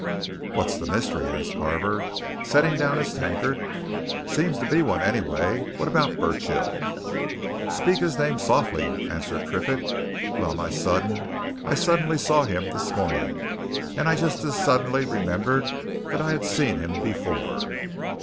"What's the mystery?" asked Carver, setting down his tankard. "Seems to be one, anyway. What about Burchill?" "Speak his name softly," answered Triffitt. "Well, my son, I suddenly saw him this morning, and I just as suddenly remembered that I'd seen him before!"